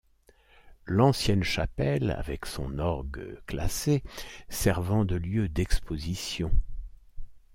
L'ancienne chapelle, avec son orgue classé servant de lieu d'exposition.